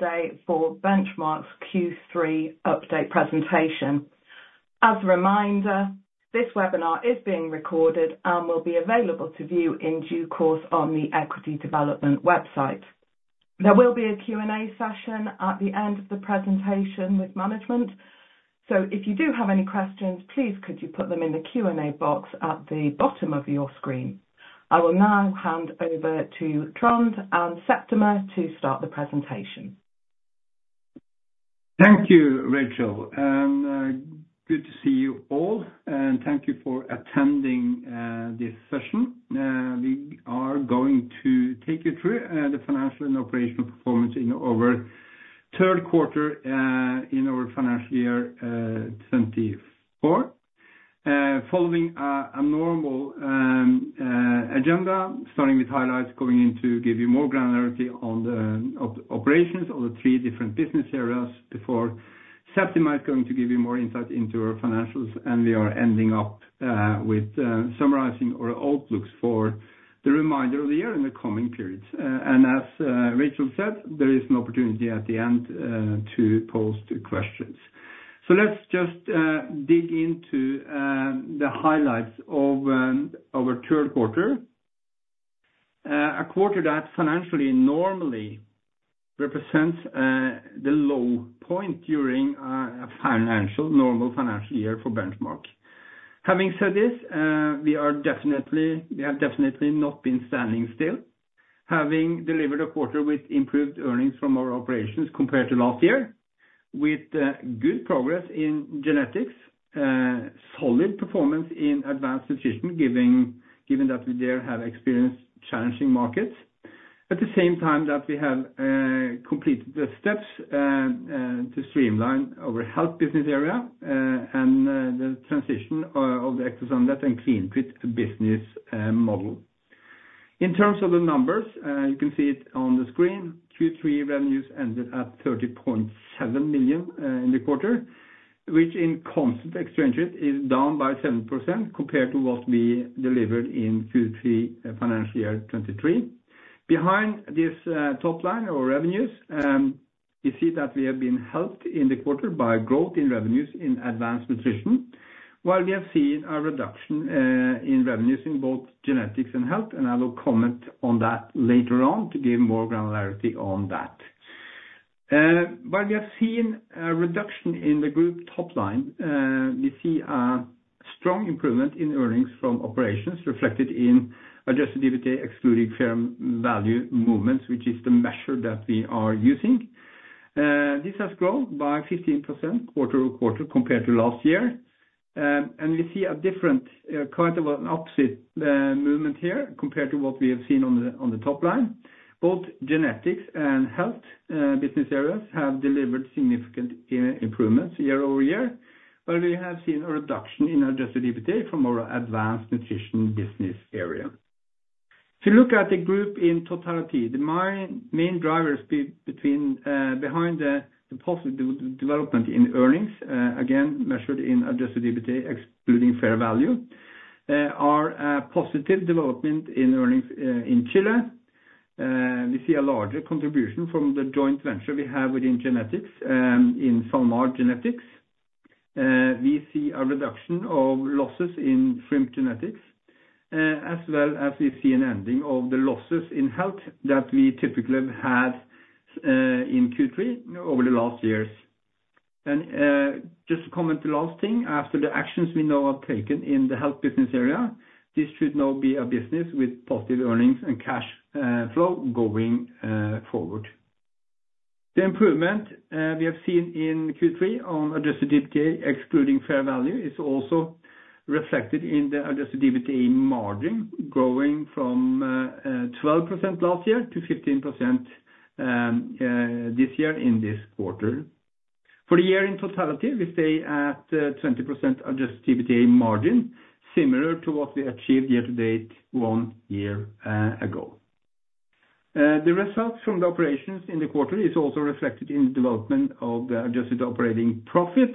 Today for Benchmark's Q3 update presentation. As a reminder, this webinar is being recorded and will be available to view in due course on the Equity Development website. There will be a Q&A session at the end of the presentation with management. So if you do have any questions, please could you put them in the Q&A box at the bottom of your screen? I will now hand over to Trond and Septima to start the presentation. Thank you, Rachel, and good to see you all, and thank you for attending this session. We are going to take you through the financial and operational performance in our third quarter in our financial year twenty four. Following a normal agenda, starting with highlights, going into give you more granularity on the operations of the three different business areas before Septima is going to give you more insight into our financials, and we are ending up with summarizing our outlooks for the remainder of the year in the coming periods, and as Rachel said, there is an opportunity at the end to pose the questions, so let's just dig into the highlights of our third quarter. A quarter that financially normally represents the low point during a normal financial year for Benchmark. Having said this, we have definitely not been standing still, having delivered a quarter with improved earnings from our operations compared to last year, with good progress in genetics, solid performance in advanced nutrition, given that we there have experienced challenging markets. At the same time that we have completed the steps to streamline our health business area, and the transition of the Ectosan Vet and CleanTreat business model. In terms of the numbers, you can see it on the screen. Q3 revenues ended at 30.7 million in the quarter, which in constant exchange rate is down by 7% compared to what we delivered in Q3 financial year 2023. Behind this, top line, our revenues, you see that we have been helped in the quarter by growth in revenues in advanced nutrition, while we have seen a reduction in revenues in both genetics and health, and I will comment on that later on to give more granularity on that. While we have seen a reduction in the group top line, we see a strong improvement in earnings from operations reflected in Adjusted EBITDA, excluding Fair Value movements, which is the measure that we are using. This has grown by 15% quarter-over-quarter compared to last year, and we see a different, kind of an opposite, movement here compared to what we have seen on the top line. Both genetics and health business areas have delivered significant improvements year-over-year, but we have seen a reduction in Adjusted EBITDA from our advanced nutrition business area. If you look at the group in totality, the main drivers behind the positive development in earnings, again, measured in Adjusted EBITDA excluding fair value, are a positive development in earnings in Chile. We see a larger contribution from the joint venture we have within genetics in SalMar Genetics. We see a reduction of losses in shrimp genetics, as well as we see an ending of the losses in health that we typically have in Q3 over the last years. Just to comment the last thing, after the actions we now have taken in the health business area, this should now be a business with positive earnings and cash flow going forward. The improvement we have seen in Q3 on Adjusted EBITDA, excluding Fair Value, is also reflected in the Adjusted EBITDA margin, growing from 12% last year to 15% this year in this quarter. For the year in totality, we stay at 20% Adjusted EBITDA margin, similar to what we achieved year to date one year ago. The results from the operations in the quarter is also reflected in the development of the adjusted operating profit.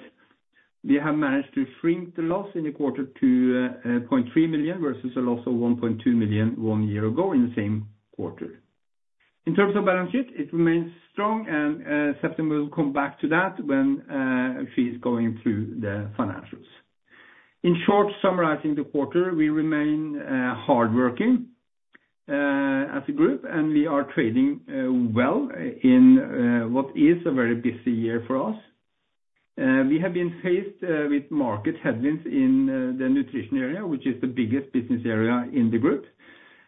We have managed to shrink the loss in the quarter to 0.3 million versus a loss of 1.2 million one year ago in the same quarter. In terms of balance sheet, it remains strong, and Septima will come back to that when she's going through the financials. In short, summarizing the quarter, we remain hardworking as a group, and we are trading well in what is a very busy year for us. We have been faced with market headwinds in the nutrition area, which is the biggest business area in the group.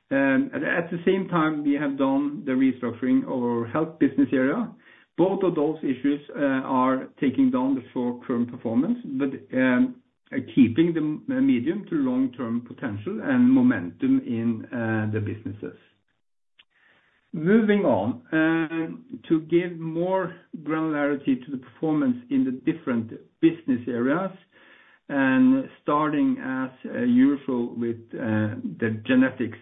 At the same time, we have done the restructuring of our health business area. Both of those issues are taking down the four current performance, but keeping the medium to long-term potential and momentum in the businesses. Moving on, to give more granularity to the performance in the different business areas, and starting as usual with the genetics,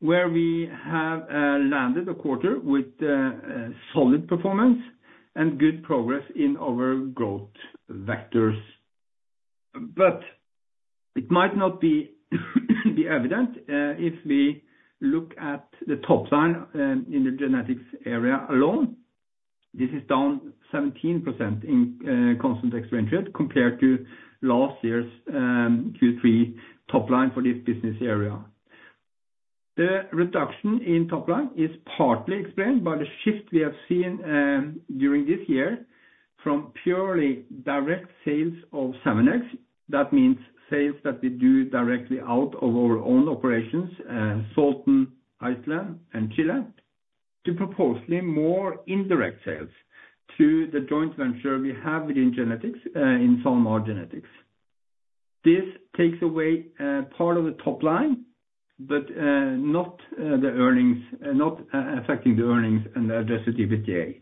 where we have landed a quarter with solid performance and good progress in our growth vectors. But it might not be evident if we look at the top line in the genetics area alone. This is down 17% in constant exchange rate compared to last year's Q3 top line for this business area. The reduction in top line is partly explained by the shift we have seen during this year from purely direct sales of salmon eggs. That means sales that we do directly out of our own operations, Salten, Iceland, and Chile, to propose more indirect sales to the joint venture we have within genetics in SalMar Genetics. This takes away part of the top line, but not the earnings, not affecting the earnings and the adjusted EBITDA.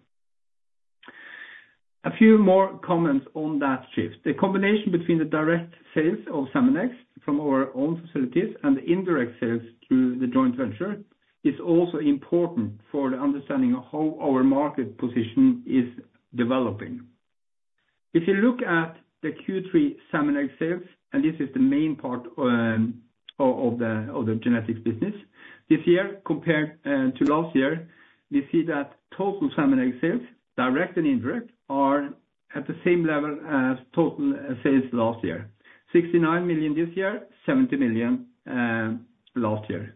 A few more comments on that shift. The combination between the direct sales of salmon eggs from our own facilities and the indirect sales through the joint venture is also important for the understanding of how our market position is developing. If you look at the Q3 salmon egg sales, and this is the main part of the genetics business, this year compared to last year, we see that total salmon egg sales, direct and indirect, are at the same level as total sales last year. 69 million this year, 70 million last year.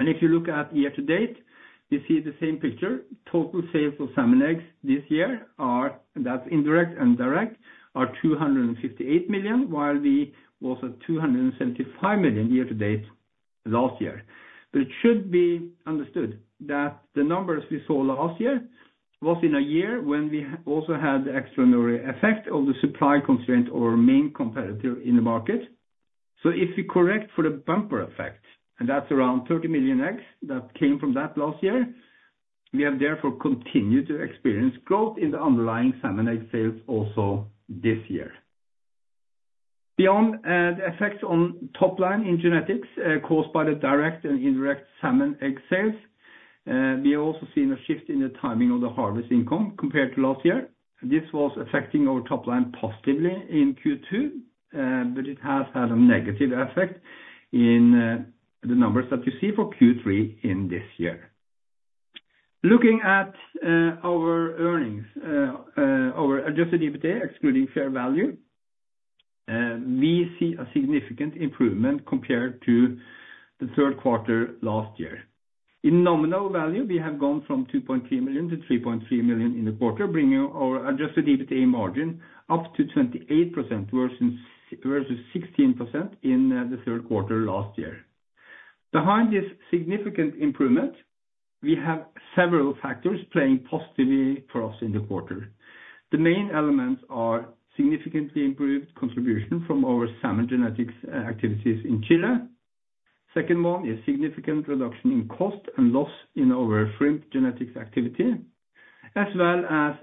If you look at year to date, you see the same picture. Total sales of salmon eggs this year are, and that's indirect and direct, are 258 million, while we was at 275 million year to date last year. But it should be understood that the numbers we saw last year was in a year when we also had the extraordinary effect of the supply constraint of our main competitor in the market. So if we correct for the bumper effect, and that's around 30 million eggs that came from that last year, we have therefore continued to experience growth in the underlying salmon egg sales also this year. Beyond the effects on top line in genetics, caused by the direct and indirect salmon egg sales, we have also seen a shift in the timing of the harvest income compared to last year. This was affecting our top line positively in Q2, but it has had a negative effect in the numbers that you see for Q3 in this year. Looking at our earnings, our adjusted EBITDA, excluding fair value, we see a significant improvement compared to the third quarter last year. In nominal value, we have gone from 2.3 million-3.3 million in the quarter, bringing our adjusted EBITDA margin up to 28%, versus 16% in the third quarter last year. Behind this significant improvement, we have several factors playing positively for us in the quarter. The main elements are significantly improved contribution from our salmon genetics activities in Chile. Second one, a significant reduction in cost and loss in our shrimp genetics activity, as well as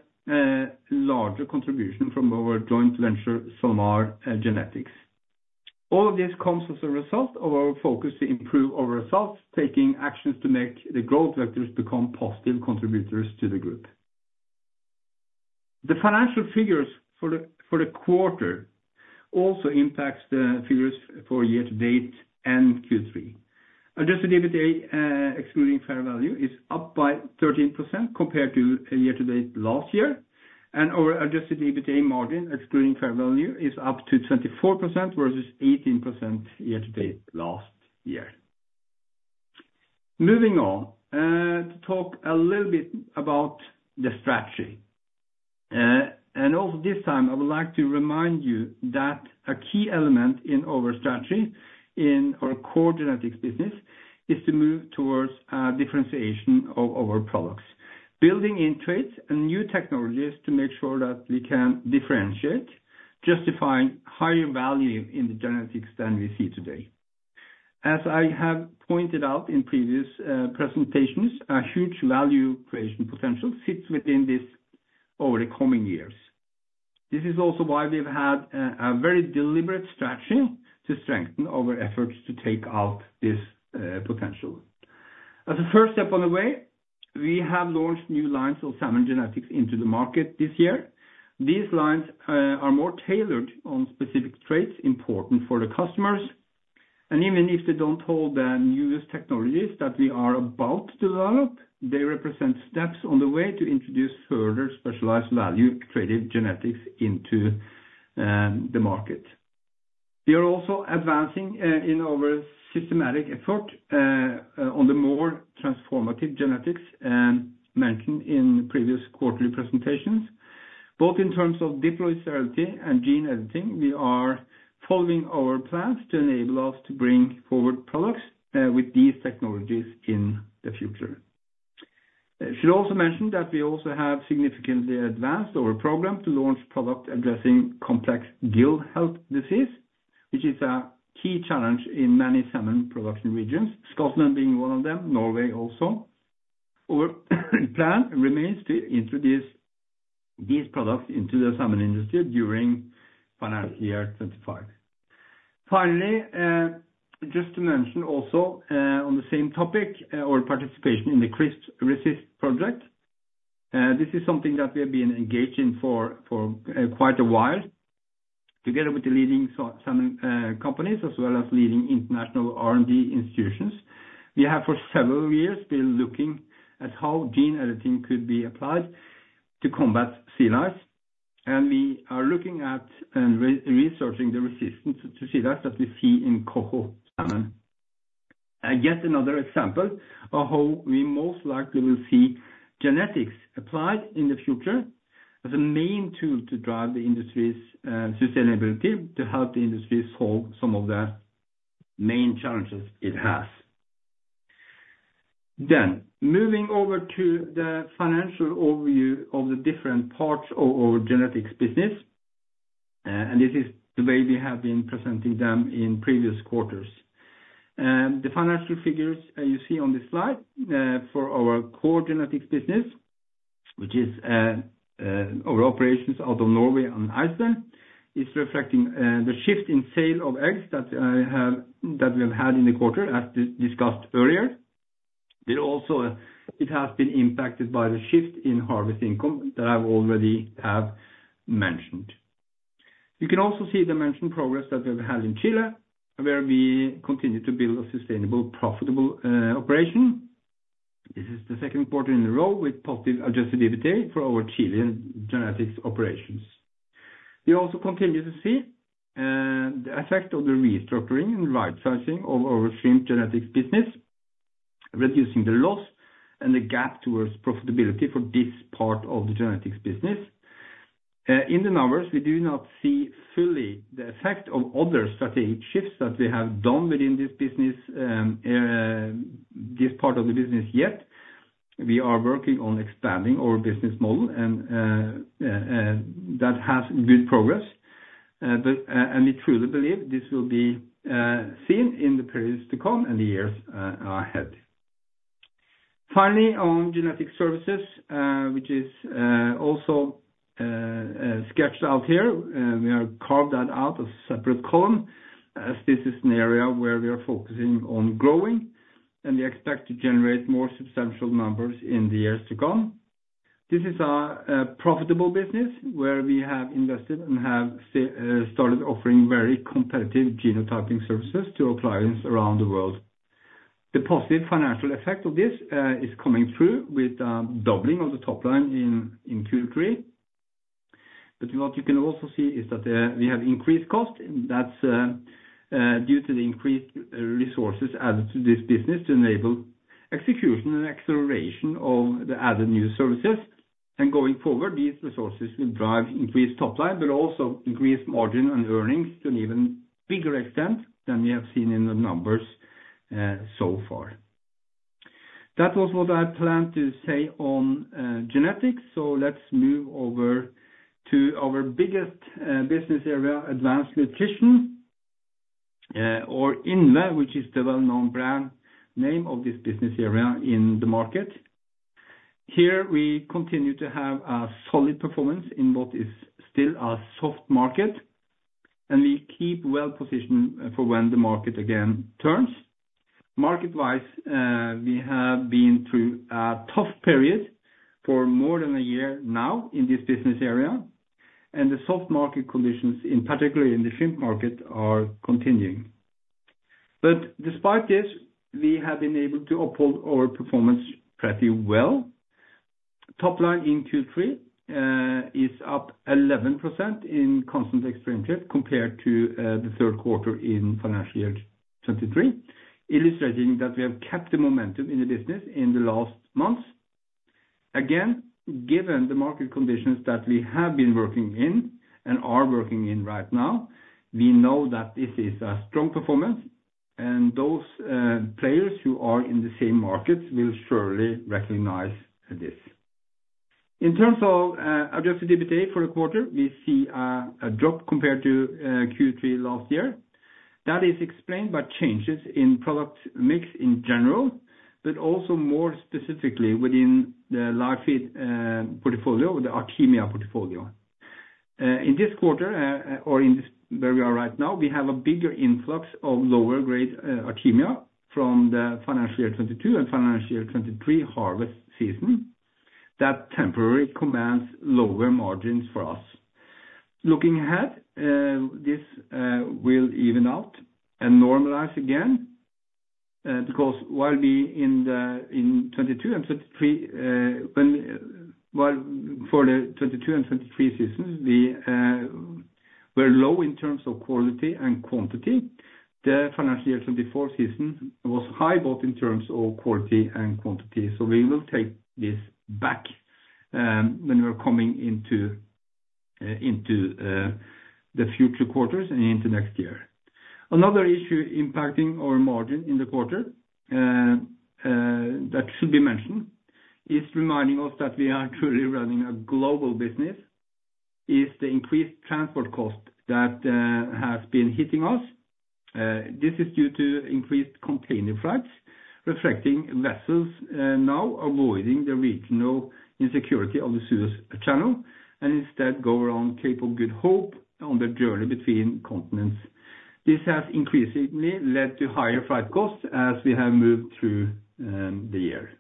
larger contribution from our joint venture, SalMar Genetics. All of this comes as a result of our focus to improve our results, taking actions to make the growth vectors become positive contributors to the group. The financial figures for the quarter also impacts the figures for year to date and Q3. Adjusted EBITDA, excluding Fair Value, is up by 13% compared to year to date last year, and our adjusted EBITDA margin, excluding Fair Value, is up to 24% versus 18% year to date last year. Moving on to talk a little bit about the strategy, and also this time, I would like to remind you that a key element in our strategy in our core genetics business is to move towards differentiation of our products. Building in traits and new technologies to make sure that we can differentiate, justifying higher value in the genetics than we see today. As I have pointed out in previous presentations, a huge value creation potential sits within this over the coming years. This is also why we've had a very deliberate strategy to strengthen our efforts to take out this potential. As a first step on the way, we have launched new lines of salmon genetics into the market this year. These lines are more tailored on specific traits important for the customers, and even if they don't hold the newest technologies that we are about to develop, they represent steps on the way to introduce further specialized value-traded genetics into the market. We are also advancing in our systematic effort on the more transformative genetics mentioned in previous quarterly presentations. Both in terms of diploid sterility and gene editing, we are following our plans to enable us to bring forward products with these technologies in the future. I should also mention that we also have significantly advanced our program to launch product addressing complex gill health disease, which is a key challenge in many salmon production regions, Scotland being one of them, Norway also. Our plan remains to introduce these products into the salmon industry during financial year 2025. Finally, just to mention also, on the same topic, our participation in the CRISPResist project. This is something that we have been engaged in for quite a while, together with the leading salmon companies, as well as leading international R&D institutions. We have for several years been looking at how gene editing could be applied to combat sea lice, and we are looking at and re-researching the resistance to sea lice that we see in Coho salmon. And yet another example of how we most likely will see genetics applied in the future as a main tool to drive the industry's sustainability, to help the industry solve some of the main challenges it has. Then moving over to the financial overview of the different parts of our genetics business, and this is the way we have been presenting them in previous quarters. And the financial figures you see on this slide for our core genetics business, which is our operations out of Norway and Iceland, is reflecting the shift in sale of eggs that we have had in the quarter, as discussed earlier. It also has been impacted by the shift in harvest income that I already have mentioned. You can also see the mentioned progress that we've had in Chile, where we continue to build a sustainable, profitable operation. This is the second quarter in a row with positive Adjusted EBITDA for our Chilean genetics operations. We also continue to see the effect of the restructuring and rightsizing of our shrimp genetics business, reducing the loss and the gap towards profitability for this part of the genetics business. In the numbers, we do not see fully the effect of other strategic shifts that we have done within this business, this part of the business yet. We are working on expanding our business model, and that has good progress, and we truly believe this will be seen in the periods to come and the years ahead. Finally, on genetic services, which is also sketched out here, we have carved that out, a separate column, as this is an area where we are focusing on growing, and we expect to generate more substantial numbers in the years to come. This is a profitable business where we have invested and have started offering very competitive genotyping services to our clients around the world. The positive financial effect of this is coming through with doubling of the top line in Q3, but what you can also see is that we have increased cost, and that's due to the increased resources added to this business to enable execution and acceleration of the added new services, and going forward, these resources will drive increased top line, but also increased margin and earnings to an even bigger extent than we have seen in the numbers so far. That was what I planned to say on genetics, so let's move over to our biggest business area, Advanced Nutrition, or INNE, which is the well-known brand name of this business area in the market. Here, we continue to have a solid performance in what is still a soft market, and we keep well positioned for when the market again turns. Market-wise, we have been through a tough period for more than a year now in this business area, and the soft market conditions, in particular in the shrimp market, are continuing. But despite this, we have been able to uphold our performance pretty well. Top line in Q3 is up 11% in constant exchange rate compared to the third quarter in financial year 2023, illustrating that we have kept the momentum in the business in the last months. Again, given the market conditions that we have been working in and are working in right now, we know that this is a strong performance, and those players who are in the same markets will surely recognize this. In terms of Adjusted EBITDA for the quarter, we see a drop compared to Q3 last year. That is explained by changes in product mix in general, but also more specifically within the live feed portfolio, the Artemia portfolio. In this quarter, where we are right now, we have a bigger influx of lower grade Artemia from the financial year 2022 and financial year 2023 harvest season, that temporarily commands lower margins for us. Looking ahead, this will even out and normalize again, because while we in the 2022 and 2023, while for the 2022 and 2023 seasons, we were low in terms of quality and quantity, the financial year 2024 season was high, both in terms of quality and quantity. We will take this back when we are coming into the future quarters and into next year. Another issue impacting our margin in the quarter that should be mentioned is reminding us that we are truly running a global business is the increased transport cost that has been hitting us. This is due to increased container freight, reflecting vessels now avoiding the regional insecurity of the Suez Canal, and instead go around Cape of Good Hope on the journey between continents. This has increasingly led to higher freight costs as we have moved through the year.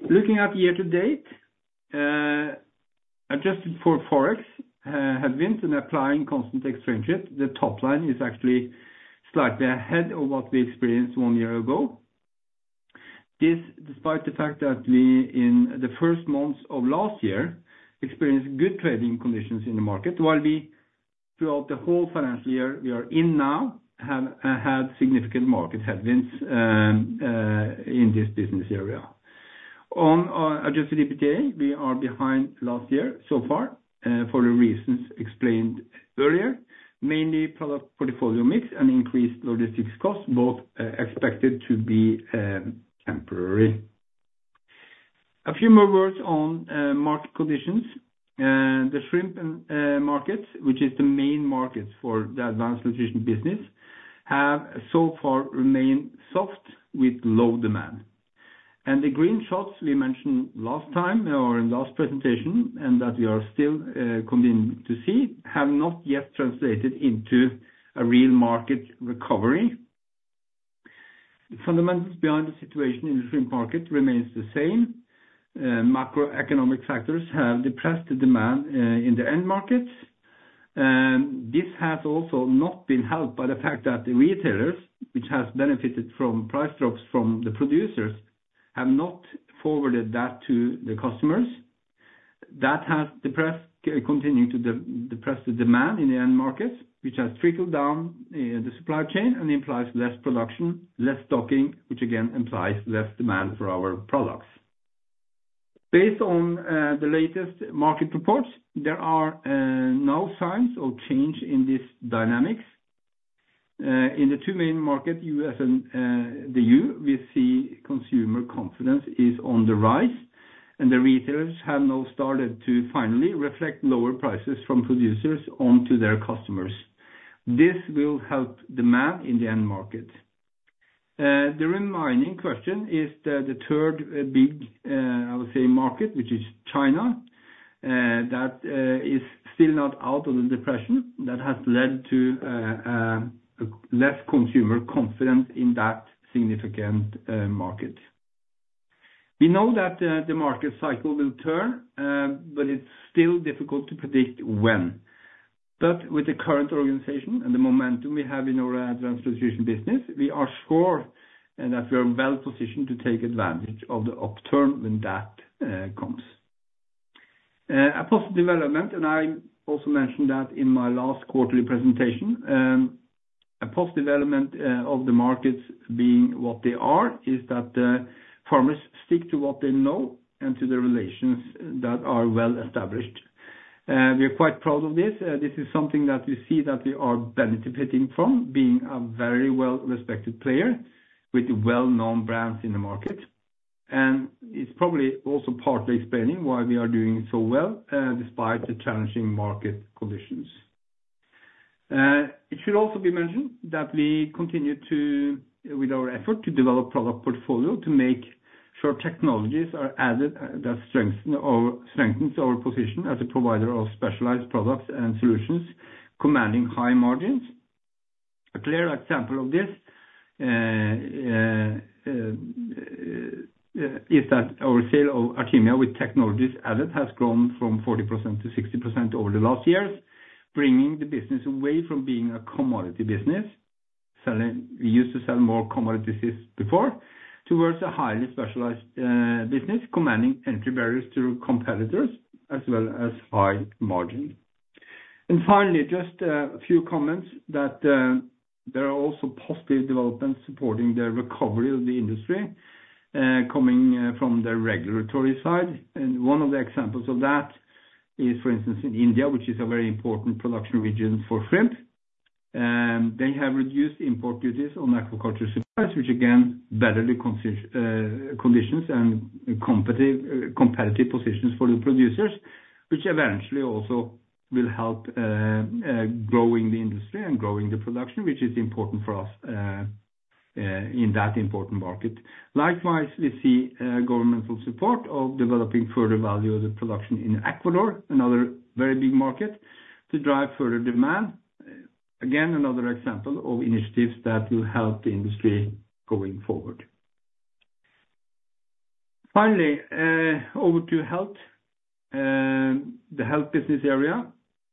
Looking at year to date adjusted for forex have been applying constant exchange rate, the top line is actually slightly ahead of what we experienced one year ago. This, despite the fact that we, in the first months of last year, experienced good trading conditions in the market, while we, throughout the whole financial year we are in now, have had significant market headwinds in this business area. On Adjusted EBITDA, we are behind last year so far, for the reasons explained earlier, mainly product portfolio mix and increased logistics costs, both expected to be temporary. A few more words on market conditions. The shrimp market, which is the main market for the advanced nutrition business, have so far remained soft with low demand, and the green shoots we mentioned last time or in last presentation, and that we are still continuing to see, have not yet translated into a real market recovery. The fundamentals behind the situation in the shrimp market remains the same. Macroeconomic factors have depressed the demand in the end markets. This has also not been helped by the fact that the retailers, which has benefited from price drops from the producers, have not forwarded that to the customers. That has continued to depress the demand in the end markets, which has trickled down the supply chain and implies less production, less stocking, which again implies less demand for our products. Based on the latest market reports, there are no signs of change in this dynamics. In the two main markets, U.S. and the E.U., we see consumer confidence is on the rise, and the retailers have now started to finally reflect lower prices from producers onto their customers. This will help demand in the end market. The remaining question is the third big, I would say, market, which is China, that is still not out of the depression, that has led to less consumer confidence in that significant market. We know that the market cycle will turn, but it's still difficult to predict when. But with the current organization and the momentum we have in our advanced nutrition business, we are sure, and that we are well positioned to take advantage of the upturn when that comes. A positive development, and I also mentioned that in my last quarterly presentation, of the markets being what they are, is that the farmers stick to what they know and to the relations that are well established. We are quite proud of this. This is something that we see that we are benefiting from, being a very well-respected player with well-known brands in the market and it's probably also partly explaining why we are doing so well, despite the challenging market conditions. It should also be mentioned that we continue to, with our effort, to develop product portfolio, to make sure technologies are added that strengthens our position as a provider of specialized products and solutions, commanding high margins. A clear example of this is that our sale of Artemia with technologies added has grown from 40% to 60% over the last years, bringing the business away from being a commodity business. We used to sell more commodity goods before, towards a highly specialized business, commanding entry barriers to competitors as well as high margin. And finally, just a few comments that there are also positive developments supporting the recovery of the industry, coming from the regulatory side. One of the examples of that is, for instance, in India, which is a very important production region for shrimp. They have reduced import duties on aquaculture supplies, which again better the conditions and competitive positions for the producers, which eventually also will help growing the industry and growing the production, which is important for us in that important market. Likewise, we see governmental support of developing further value of the production in Ecuador, another very big market, to drive further demand. Again, another example of initiatives that will help the industry going forward. Finally, over to health. The health business area,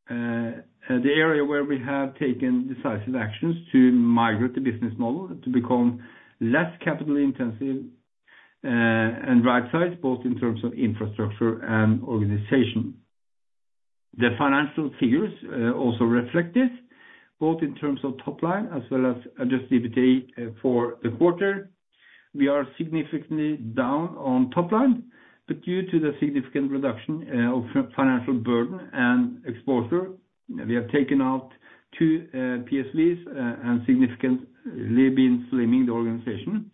the area where we have taken decisive actions to migrate the business model to become less capital intensive, and right size, both in terms of infrastructure and organization. The financial figures also reflect this, both in terms of top line as well as adjusted EBITDA for the quarter. We are significantly down on top line, but due to the significant reduction of financial burden and exposure. We have taken out two PSVs, and significantly been slimming the organization.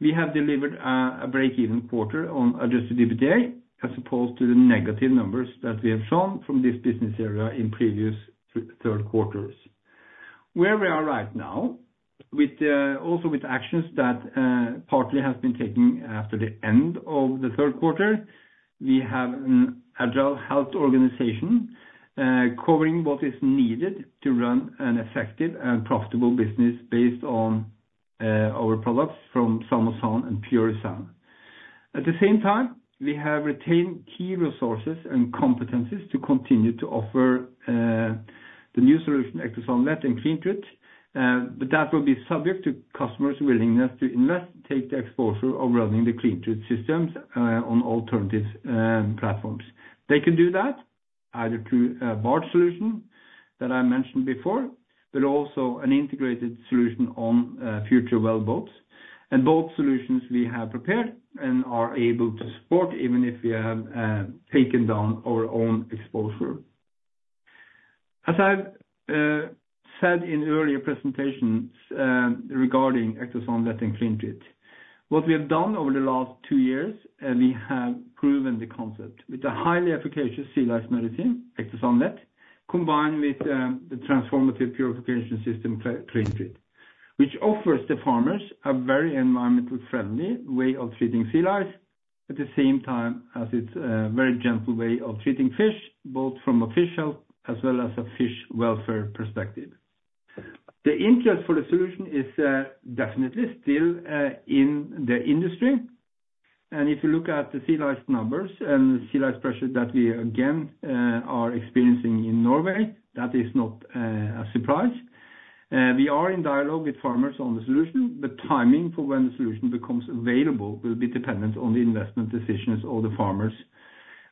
We have delivered a break-even quarter on adjusted EBITDA, as opposed to the negative numbers that we have shown from this business area in previous third quarters. Where we are right now, also with actions that partly have been taken after the end of the third quarter, we have an agile health organization covering what is needed to run an effective and profitable business based on our products from Salmosan and Purisan. At the same time, we have retained key resources and competencies to continue to offer the new solution, Ectosan Vet and CleanTreat, but that will be subject to customers' willingness to invest, take the exposure of running the CleanTreat systems on alternative platforms. They can do that either through barge solution that I mentioned before, but also an integrated solution on future wellboats, and both solutions we have prepared and are able to support, even if we have taken down our own exposure. As I've said in earlier presentations, regarding Ectosan Vet and CleanTreat, what we have done over the last two years, and we have proven the concept with a highly efficacious sea lice medicine, Ectosan Vet, combined with the transformative purification system CleanTreat, which offers the farmers a very environmentally friendly way of treating sea lice. At the same time, as it's a very gentle way of treating fish, both from a fish health as well as a fish welfare perspective. The interest for the solution is definitely still in the industry, and if you look at the sea lice numbers and the sea lice pressure that we again are experiencing in Norway, that is not a surprise. We are in dialogue with farmers on the solution, but timing for when the solution becomes available will be dependent on the investment decisions of the farmers.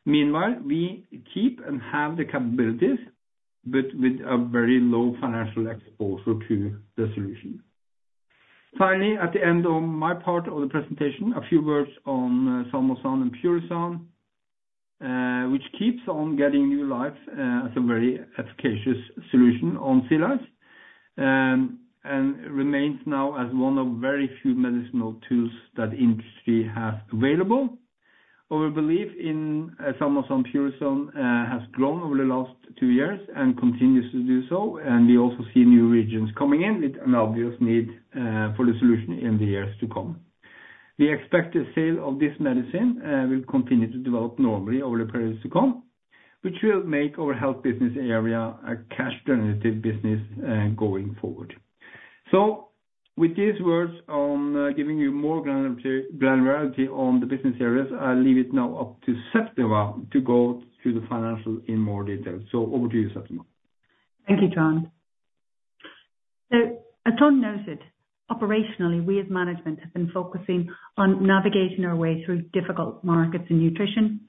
Meanwhile, we keep and have the capabilities, but with a very low financial exposure to the solution. Finally, at the end of my part of the presentation, a few words on Salmosan and Purisan, which keeps on getting new lives as a very efficacious solution on sea lice and remains now as one of very few medicinal tools that industry have available. Our belief in Salmosan, Purisan has grown over the last two years and continues to do so, and we also see new regions coming in with an obvious need for the solution in the years to come. The expected sale of this medicine will continue to develop normally over the periods to come, which will make our health business area a cash generative business going forward, so with these words on giving you more granularity on the business areas, I leave it now up to Septima to go through the financials in more detail, so over to you, Septima. Thank you, Trond, so as Trond noted, operationally, we as management, have been focusing on navigating our way through difficult markets in nutrition,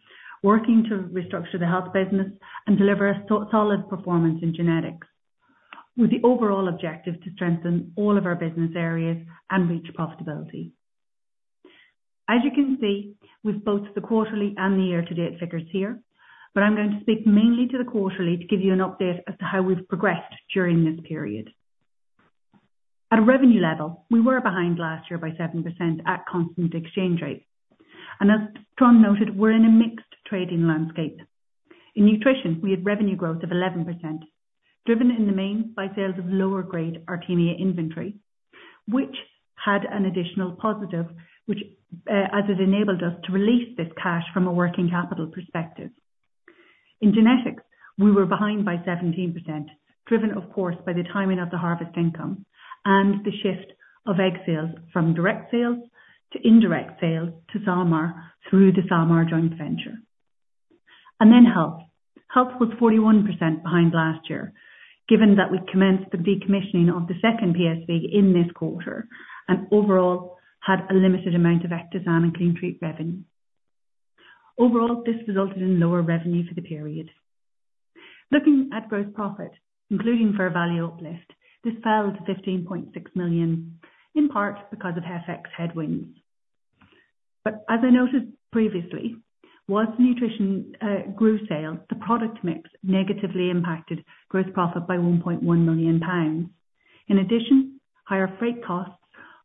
working to restructure the health business, and deliver a solid performance in genetics, with the overall objective to strengthen all of our business areas and reach profitability. As you can see, with both the quarterly and the year-to-date figures here, but I'm going to speak mainly to the quarterly to give you an update as to how we've progressed during this period. At a revenue level, we were behind last year by 7% at constant exchange rate, and as Trond noted, we're in a mixed trading landscape. In nutrition, we had revenue growth of 11%, driven in the main by sales of lower grade Artemia inventory, which had an additional positive, which, as it enabled us to release this cash from a working capital perspective. In genetics, we were behind by 17%, driven, of course, by the timing of the harvest income and the shift of egg sales from direct sales to indirect sales to SalMar through the SalMar joint venture. And then health. Health was 41% behind last year, given that we commenced the decommissioning of the second PSV in this quarter, and overall had a limited amount of Ectosan and CleanTreat revenue. Overall, this resulted in lower revenue for the period. Looking at gross profit, including fair value uplift, this fell to £15.6 million, in part because of FX headwinds. But as I noted previously, while nutrition grew sales, the product mix negatively impacted gross profit by 1.1 million pounds. In addition, higher freight costs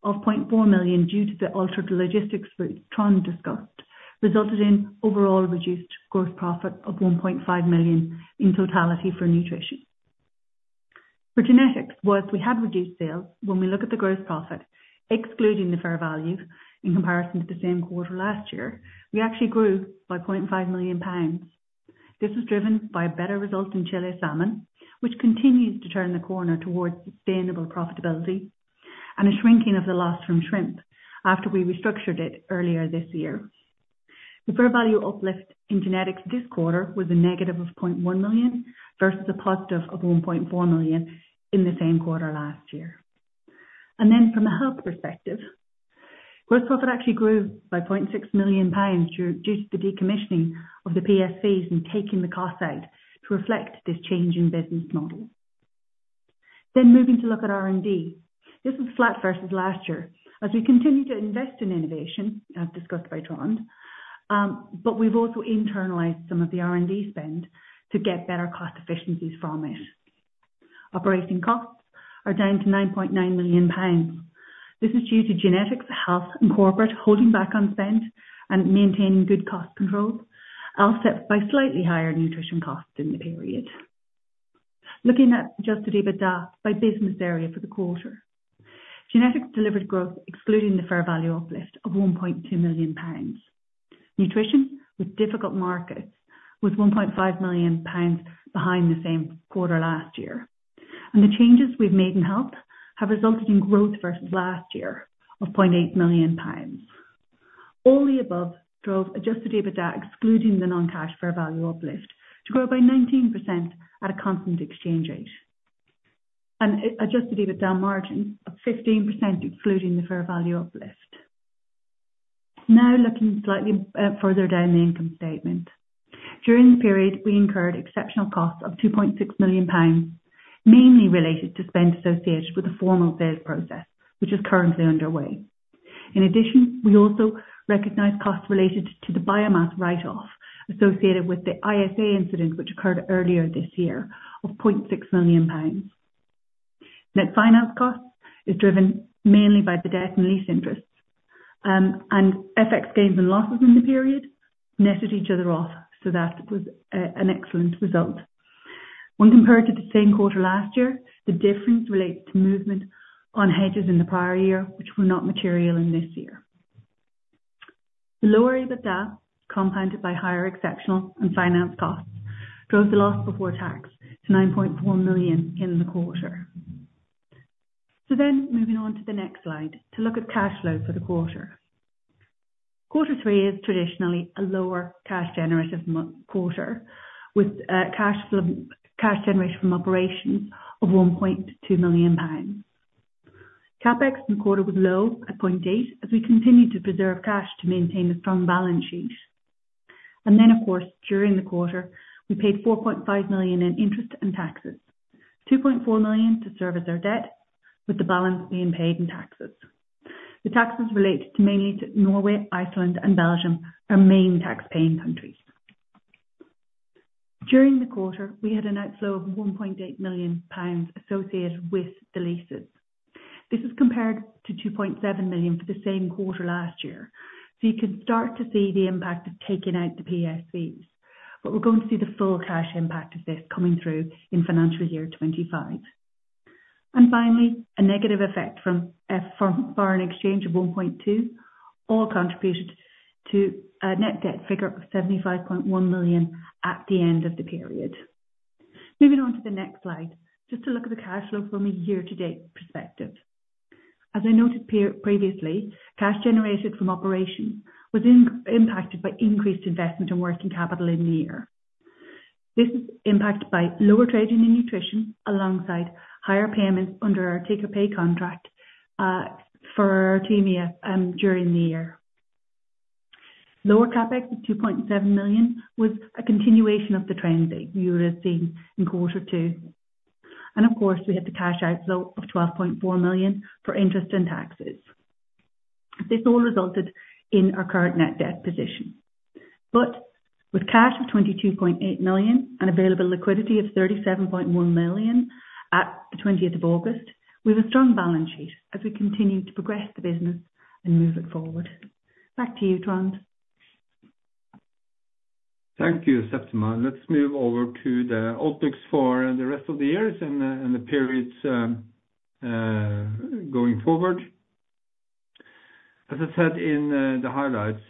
of 0.4 million GBP due to the altered logistics route Trond discussed resulted in overall reduced gross profit of 1.5 million GBP in totality for nutrition. For genetics, while we had reduced sales, when we look at the gross profit, excluding the fair value in comparison to the same quarter last year, we actually grew by 0.5 million pounds. This was driven by better results in Chile salmon, which continues to turn the corner towards sustainable profitability, and a shrinking of the loss from shrimp after we restructured it earlier this year. The fair value uplift in genetics this quarter was a negative of 0.1 million, versus a positive of 1.4 million in the same quarter last year. And then from a health perspective, gross profit actually grew by 0.6 million pounds due to the decommissioning of the PSVs and taking the cost out to reflect this change in business model. Then moving to look at R&D. This is flat versus last year, as we continue to invest in innovation, as discussed by Trond, but we've also internalized some of the R&D spend to get better cost efficiencies from it. Operating costs are down to 9.9 million pounds. This is due to genetics, health, and corporate holding back on spend and maintaining good cost control, offset by slightly higher nutrition costs in the period. Looking at Adjusted EBITDA by business area for the quarter. Genetics delivered growth, excluding the fair value uplift of 1.2 million pounds. Nutrition, with difficult markets, was 1.5 million pounds behind the same quarter last year. The changes we've made in health have resulted in growth versus last year of 0.8 million pounds. All the above drove adjusted EBITDA, excluding the non-cash fair value uplift, to grow by 19% at a constant exchange rate. Adjusted EBITDA margin of 15%, excluding the fair value uplift. Now, looking slightly further down the income statement. During the period, we incurred exceptional costs of 2.6 million pounds, mainly related to spend associated with the formal sales process, which is currently underway. In addition, we also recognized costs related to the biomass write-off associated with the ISA incident, which occurred earlier this year, of 0.6 million pounds. Net finance costs is driven mainly by the debt and lease interests. And FX gains and losses in the period netted each other off, so that was an excellent result. When compared to the same quarter last year, the difference relates to movement on hedges in the prior year, which were not material in this year. The lower EBITDA, compounded by higher exceptional and finance costs, drove the loss before tax to 9.4 million in the quarter. Moving on to the next slide to look at cash flow for the quarter. Quarter three is traditionally a lower cash generative quarter, with cash generation from operations of 1.2 million pounds. CapEx in the quarter was low, at 0.8 million, as we continued to preserve cash to maintain a strong balance sheet. Then, of course, during the quarter, we paid 4.5 million in interest and taxes, 2.4 million to service our debt, with the balance being paid in taxes. The taxes related mainly to Norway, Iceland, and Belgium, our main tax-paying countries. During the quarter, we had an outflow of 1.8 million pounds associated with the leases. This is compared to 2.7 million for the same quarter last year. You can start to see the impact of taking out the PSVs, but we're going to see the full cash impact of this coming through in financial year 2025. Finally, a negative effect from foreign exchange of 1.2 million all contributed to a net debt figure of 75.1 million at the end of the period. Moving on to the next slide, just to look at the cash flow from a year-to-date perspective. As I noted previously, cash generated from operations was impacted by increased investment and working capital in the year. This is impacted by lower trading in nutrition, alongside higher payments under our take-or-pay contract for Artemia during the year. Lower CapEx of 2.7 million was a continuation of the trends that you would have seen in quarter two. And of course, we had the cash outflow of 12.4 million for interest and taxes. This all resulted in our current net debt position. But with cash of 22.8 million and available liquidity of 37.1 million at the twentieth of August, we have a strong balance sheet as we continue to progress the business and move it forward. Back to you, Trond. Thank you, Septima. Let's move over to the outlooks for the rest of the years and the periods going forward. As I said in the highlights,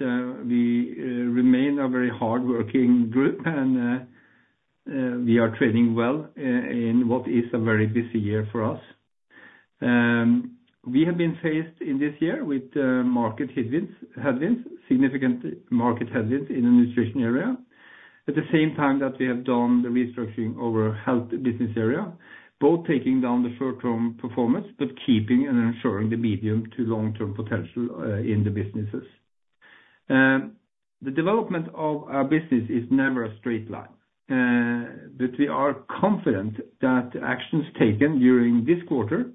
we remain a very hardworking group and we are trading well in what is a very busy year for us. We have been faced in this year with market headwinds, significant market headwinds in the nutrition area. At the same time that we have done the restructuring over health business area, both taking down the short-term performance, but keeping and ensuring the medium to long-term potential in the businesses. The development of our business is never a straight line, but we are confident that actions taken during this quarter,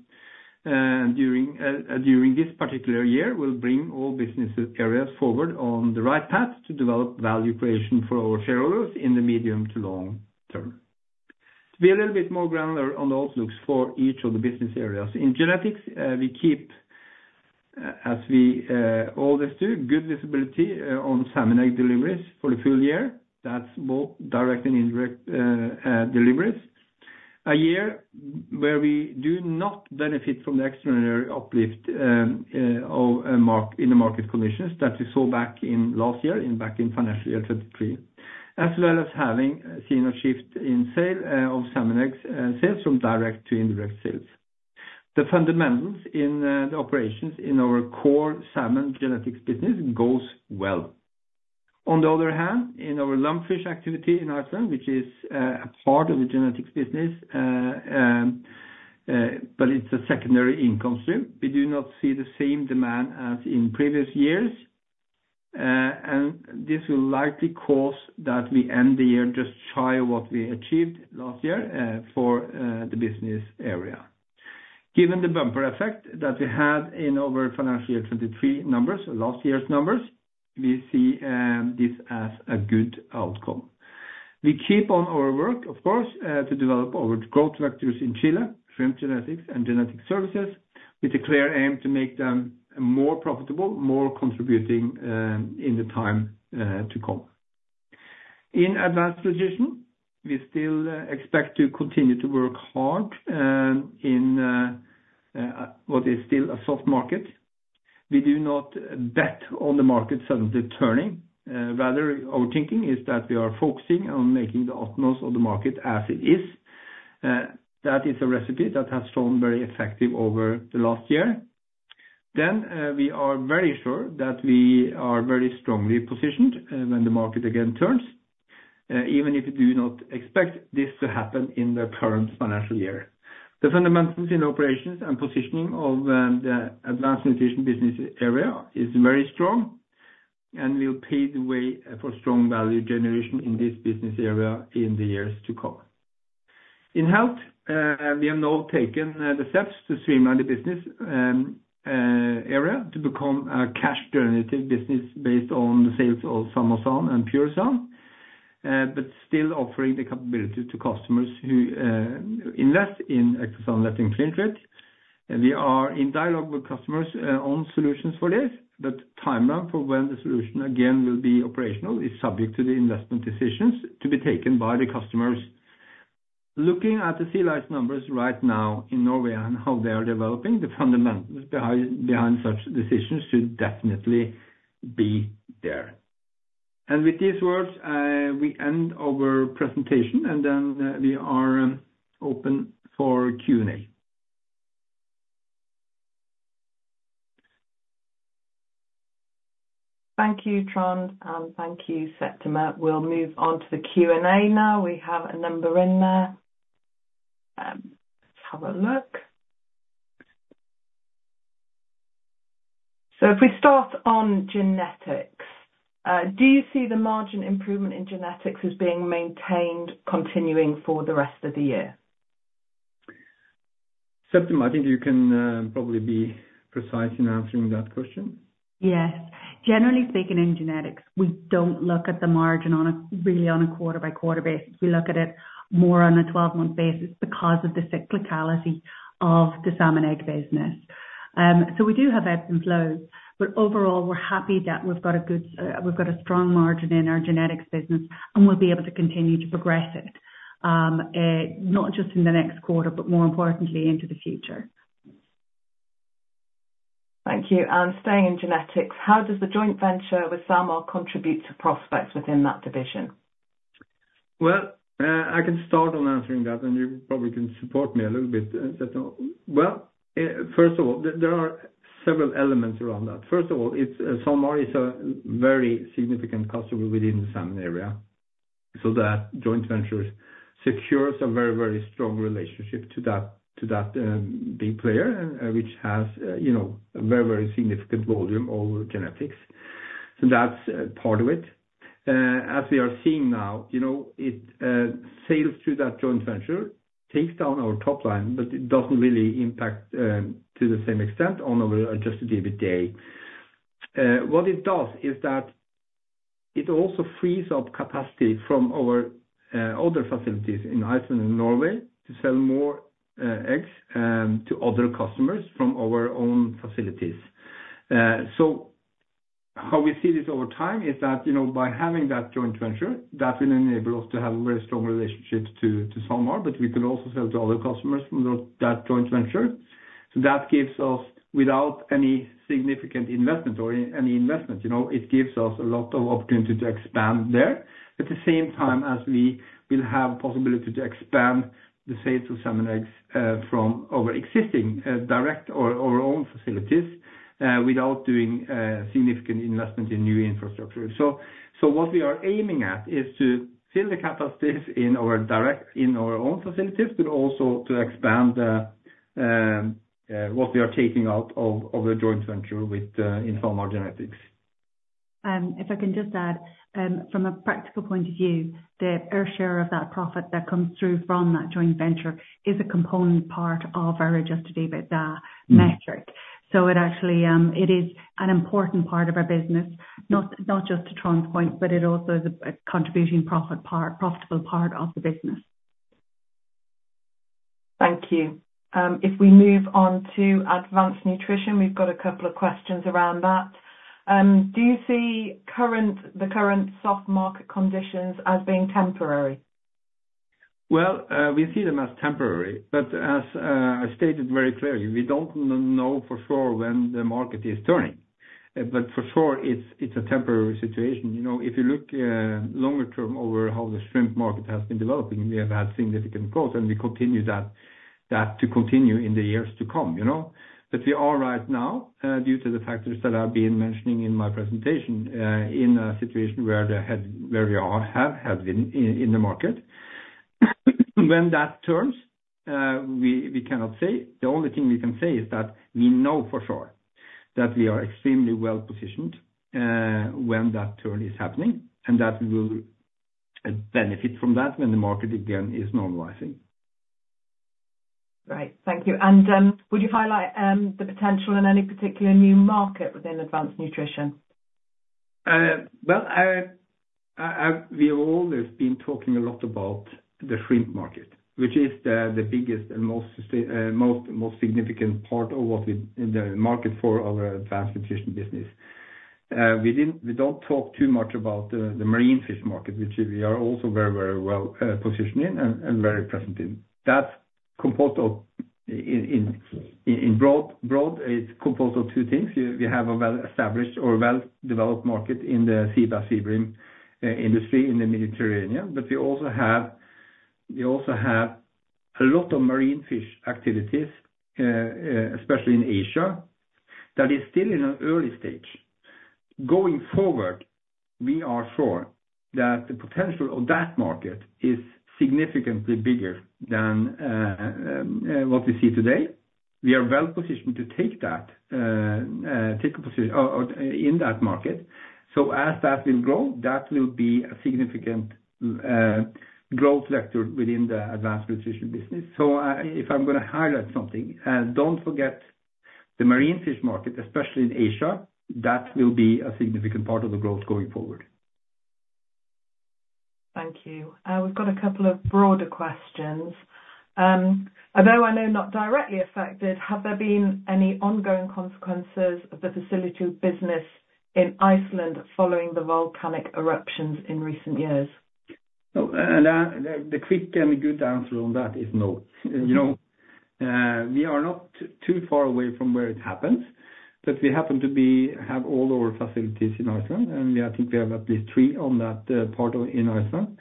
during this particular year, will bring all business areas forward on the right path to develop value creation for our shareholders in the medium to long term. To be a little bit more granular on the outlooks for each of the business areas, in genetics, we keep, as we always do, good visibility on salmon egg deliveries for the full year. That's both direct and indirect deliveries. A year where we do not benefit from the extraordinary uplift of market conditions that we saw back in last year, back in financial year 2023, as well as having seen a shift in sale of salmon eggs sales from direct to indirect sales. The fundamentals in the operations in our core salmon genetics business goes well. On the other hand, in our lumpfish activity in Iceland, which is a part of the genetics business, but it's a secondary income stream, we do not see the same demand as in previous years. And this will likely cause that we end the year just shy of what we achieved last year for the business area. Given the bumper effect that we had in our financial year 2023 numbers, last year's numbers, we see this as a good outcome. We keep on our work, of course, to develop our growth vectors in Chile, shrimp genetics, and genetic services. With a clear aim to make them more profitable, more contributing, in the time to come. In Advanced Nutrition, we still expect to continue to work hard, in what is still a soft market. We do not bet on the market suddenly turning, rather our thinking is that we are focusing on making the utmost of the market as it is. That is a recipe that has proven very effective over the last year. Then, we are very sure that we are very strongly positioned when the market again turns, even if we do not expect this to happen in the current financial year. The fundamentals in operations and positioning of the advanced nutrition business area is very strong, and will pave the way for strong value generation in this business area in the years to come. In health, we have now taken the steps to streamline the business area to become a cash generative business based on the sales of Salmosan Vet and Purisan. But still offering the capability to customers who invest in Ectosan Vet and CleanTreat, and we are in dialogue with customers on solutions for this. But timeline for when the solution again will be operational is subject to the investment decisions to be taken by the customers. Looking at the sea lice numbers right now in Norway, and how they are developing, the fundamentals behind such decisions should definitely be there, and with these words, we end our presentation, and then, we are open for Q&A. Thank you, Trond, and thank you, Septima. We'll move on to the Q&A now. We have a number in there. Let's have a look. So if we start on genetics, do you see the margin improvement in genetics as being maintained, continuing for the rest of the year? Septima, I think you can probably be precise in answering that question. Yes. Generally speaking, in genetics, we don't look at the margin on a, really on a quarter-by-quarter basis. We look at it more on a 12-month basis because of the cyclicality of the salmon egg business, so we do have ebbs and flows, but overall, we're happy that we've got a strong margin in our genetics business, and we'll be able to continue to progress it. Not just in the next quarter, but more importantly, into the future. Thank you, and staying in genetics, how does the joint venture with SalMar contribute to prospects within that division? I can start on answering that, and you probably can support me a little bit, Septima. First of all, there are several elements around that. First of all, it's SalMar is a very significant customer within the salmon area. So that joint venture secures a very, very strong relationship to that big player, which has, you know, a very, very significant volume over genetics. So that's part of it. As we are seeing now, you know, it sales through that joint venture takes down our top line, but it doesn't really impact to the same extent on our adjusted EBITDA. What it does is that it also frees up capacity from our other facilities in Iceland and Norway to sell more eggs to other customers from our own facilities. How we see this over time is that, you know, by having that joint venture, that will enable us to have a very strong relationship to SalMar, but we can also sell to other customers from that joint venture. So that gives us, without any significant investment or any investment, you know, it gives us a lot of opportunity to expand there. At the same time, as we will have possibility to expand the sales of salmon eggs from our existing direct or our own facilities without doing significant investment in new infrastructure. So what we are aiming at is to fill the capacities in our own facilities, but also to expand what we are taking out of the joint venture with SalMar Genetics. If I can just add, from a practical point of view, our share of that profit that comes through from that joint venture is a component part of our Adjusted EBITDA metric. It actually is an important part of our business, not just to Trond's point, but it also is a contributing profit part, profitable part of the business. Thank you. If we move on to advanced nutrition, we've got a couple of questions around that. Do you see the current soft market conditions as being temporary? We see them as temporary, but as I stated very clearly, we don't know for sure when the market is turning. But for sure, it's a temporary situation. You know, if you look longer term over how the shrimp market has been developing, we have had significant growth, and we continue that to continue in the years to come, you know? But we are right now due to the factors that I've been mentioning in my presentation in a situation where we are, have been in the market. When that turns, we cannot say. The only thing we can say is that we know for sure that we are extremely well-positioned when that turn is happening, and that we will benefit from that when the market again is normalizing. Right. Thank you. And would you highlight the potential in any particular new market within advanced nutrition? Well, we have always been talking a lot about the shrimp market, which is the biggest and most significant part of the market for our advanced nutrition business. We don't talk too much about the marine fish market, which we are also very, very well positioned in and very present in. That's composed of, in broad, it's composed of two things. We have a well-established or well-developed market in the sea bass, sea bream industry in the Mediterranean. But we also have a lot of marine fish activities, especially in Asia, that is still in an early stage. Going forward, we are sure that the potential of that market is significantly bigger than what we see today. We are well positioned to take a position or in that market. So as that will grow, that will be a significant growth vector within the advanced nutrition business. So if I'm gonna highlight something, don't forget the marine fish market, especially in Asia. That will be a significant part of the growth going forward. Thank you. We've got a couple of broader questions. Although I know not directly affected, have there been any ongoing consequences of the facility business in Iceland following the volcanic eruptions in recent years? No, the quick and good answer on that is no. You know, we are not too far away from where it happens, but we happen to have all our facilities in Iceland, and I think we have at least three on that part of Iceland.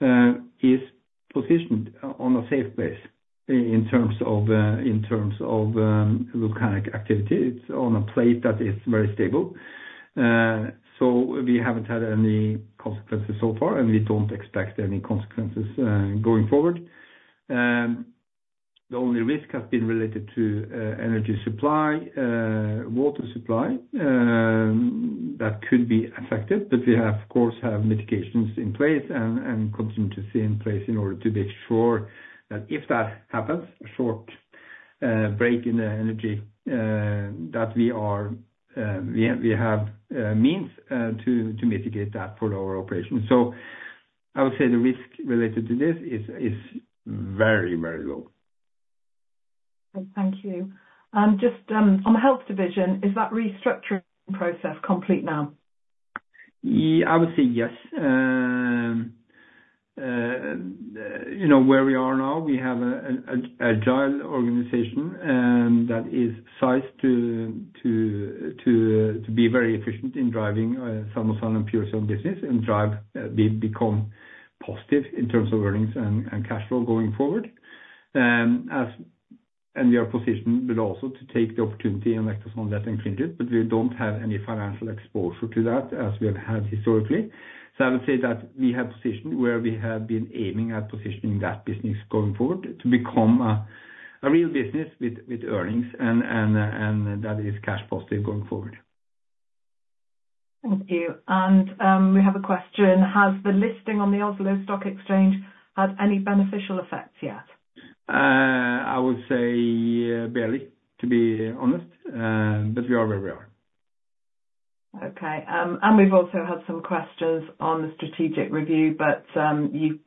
It is positioned on a safe place in terms of volcanic activity. It's on a plate that is very stable, so we haven't had any consequences so far, and we don't expect any consequences going forward. The only risk has been related to energy supply, water supply that could be affected, but we have, of course, mitigations in place and continue to stay in place in order to make sure that if that happens, a short break in the energy that we have means to mitigate that for our operations. So I would say the risk related to this is very, very low. Thank you. Just, on the health division, is that restructuring process complete now? Yes, I would say yes. You know, where we are now, we have an agile organization that is sized to be very efficient in driving some of our Purisan business, and drive to become positive in terms of earnings and cashflow going forward, and we are positioned but also to take the opportunity and leverage that and invest in it, but we don't have any financial exposure to that as we have had historically. So I would say that we have positioned where we have been aiming at positioning that business going forward, to become a real business with earnings and that is cash positive going forward. Thank you. And we have a question: Has the listing on the Oslo Stock Exchange had any beneficial effects yet? I would say barely, to be honest, but we are where we are. Okay, and we've also had some questions on the strategic review, but, you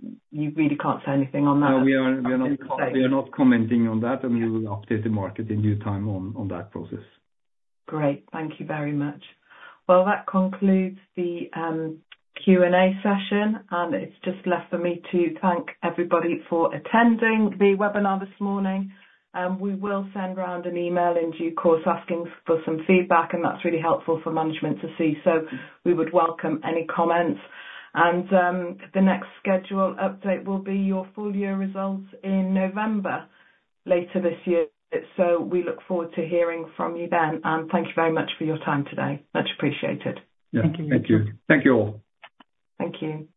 really can't say anything on that- We are not commenting on that, and we will update the market in due time on that process. Great. Thank you very much. Well, that concludes the Q&A session, and it's just left for me to thank everybody for attending the webinar this morning. We will send around an email in due course asking for some feedback, and that's really helpful for management to see. So we would welcome any comments. And the next scheduled update will be your full year results in November, later this year. So we look forward to hearing from you then, and thank you very much for your time today. Much appreciated. Yeah. Thank you. Thank you. Thank you, all. Thank you.